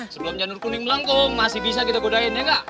sebelum janur kuning melengkong masih bisa kita godain ya enggak